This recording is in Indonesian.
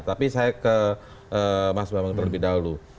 tapi saya ke mas bambang terlebih dahulu